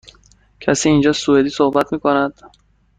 کسی اینجا سوئدی صحبت می کند؟